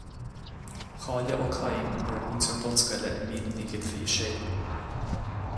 Cháiligh Ó Cadhain mar mhúinteoir bunscoile i míle naoi gcéad fiche a sé.